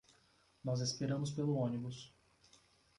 Nós esperamos pelo ônibus